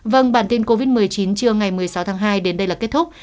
vâng bản tin covid một mươi chín trưa ngày một mươi sáu tháng hai đến đây là kết thúc